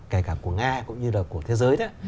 kể cả của nga cũng như là của thế giới đó